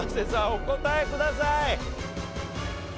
お答えください。